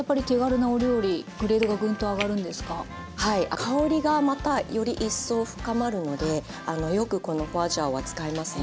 香りがまたより一層深まるのでよくこの花椒は使いますね。